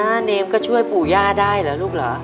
เนมก็ช่วยปู่ย่าได้เหรอลูกเหรอ